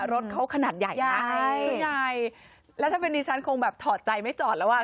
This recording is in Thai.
รถเขาขนาดใหญ่นะส่วนใหญ่แล้วถ้าเป็นดิฉันคงแบบถอดใจไม่จอดแล้วอ่ะ